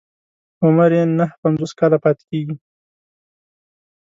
عمر يې نهه پنځوس کاله پاتې کېږي.